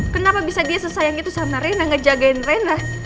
kenapa bisa dia sesayang itu sama rena nggak jagain rena